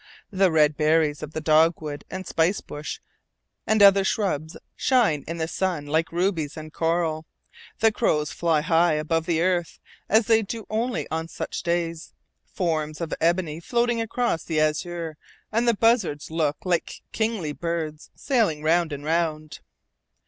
The red berries of the dogwood and spice bush and other shrubs shine in the sun like rubies and coral. The crows fly high above the earth, as they do only on such days, forms of ebony floating across the azure, and the buzzards look like kingly birds, sailing round and round.